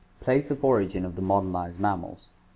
Place of Origin of the Modernized Mammals.